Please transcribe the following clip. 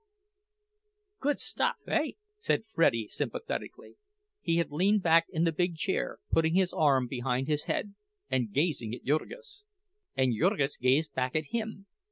"Good stuff, hey?" said Freddie, sympathetically; he had leaned back in the big chair, putting his arm behind his head and gazing at Jurgis. And Jurgis gazed back at him.